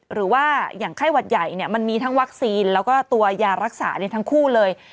หรือว่าอย่างไข้หวัดใหญ่มันมีทั้งวัคซีนแล้วก็ตัวยารักษาทั้งคู่เลย